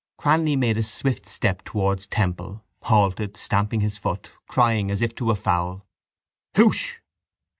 Cranly made a swift step towards Temple, halted, stamping his foot, crying as if to a fowl: —Hoosh!